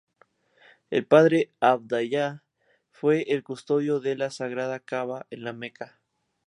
El padre de Abdallah fue el custodio de la Sagrada Kaaba en La Meca.